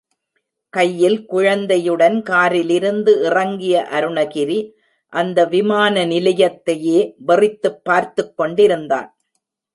கையில் குழந்தையுடன் காரிலிருந்து இறங்கிய அருணகிரி, அந்த விமான நிலையத்தையே வெறித்துப் பார்த்துக் கொண்டிருந்தான்.